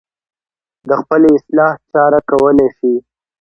د خپلې اصلاح چاره کولی شي.